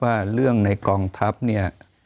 ว่าเรื่องในกองทัพเนี่ย